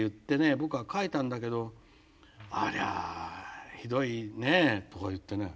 僕は書いたんだけどありゃひどいね」とか言ってね。